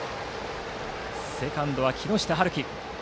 セカンドは木下晴輝。